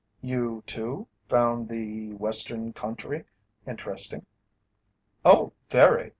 "You, too, found the Western country interesting?" "Oh, very!